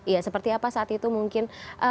ya seperti apa saat itu mungkin